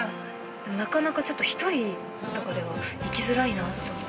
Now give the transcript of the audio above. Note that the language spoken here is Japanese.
◆なかなか、ちょっと１人とかでは行きづらいなって思って。